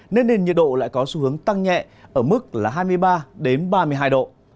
nên nền nhiệt độ lại có xu hướng tăng nhẹ ở mức là hai mươi ba ba mươi hai độ